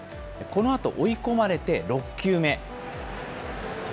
このあと追い込まれて６球目。